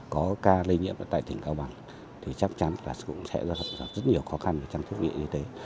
có ca lây nhiễm tại tỉnh cao bằng thì chắc chắn là cũng sẽ gặp rất nhiều khó khăn về trang thiết bị y tế